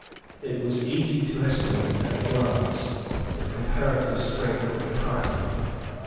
It was easy to estimate at a glance the comparative strength of the parties.